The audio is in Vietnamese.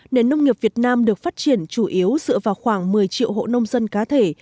nền nông nghiệp việt nam được phát triển chủ yếu dựa vào khoảng một mươi triệu hộ nông dân cá thể